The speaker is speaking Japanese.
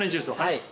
はい。